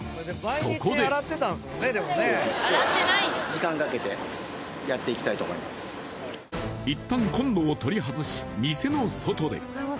そこで一旦コンロを取り外し、店の外で。